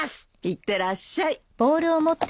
いってらっしゃい。